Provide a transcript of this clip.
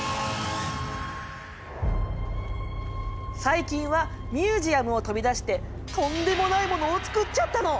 最近はミュージアムを飛び出してとんでもないモノを作っちゃったの。